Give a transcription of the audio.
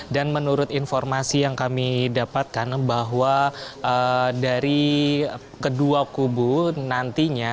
dan menurut informasi yang kami dapatkan bahwa dari kedua kubu nantinya